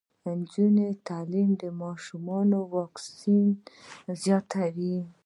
د نجونو تعلیم د ماشومانو واکسیناسیون زیاتوي.